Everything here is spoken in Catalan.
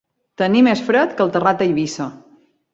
Tenir més fred que el terrat d'Eivissa.